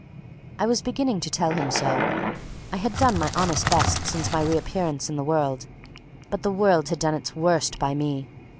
I was beginning to tell him so. I had done my honest best since my reappearance in the world; but the world had done its worst by me.